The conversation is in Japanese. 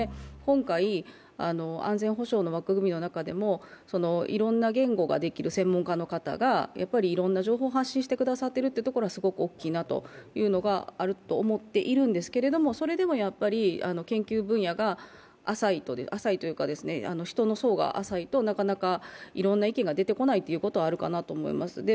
今回、安全保障の枠組みの中でもいろんな言語ができる専門家の方がいろんな情報を発信してくださっているのはすごく大きいなと思っているんですけれども、それでも研究分野が浅いというか人の層が浅いとなかなかいろんな意見が出てこないということはあるかなと思います。